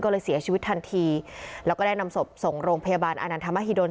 ก็เลยเสียชีวิตทันทีแล้วก็ได้นำศพส่งโรงพยาบาลอานันทมหิดล